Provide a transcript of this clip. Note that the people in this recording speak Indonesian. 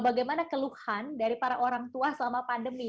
bagaimana keluhan dari para orang tua selama pandemi